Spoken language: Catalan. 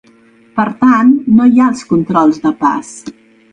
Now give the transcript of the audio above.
Per tant, no hi ha els controls de pas.